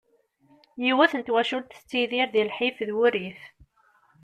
Yiwet n twacult tettidir di lḥif d wurrif.